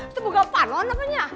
itu bukan apa apa loh namanya